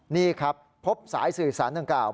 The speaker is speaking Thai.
นี่ครับพบสายสื่อสารดังกล่าว